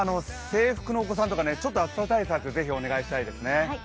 制服のお子さんとか、暑さ対策をぜひお願いしたいですね。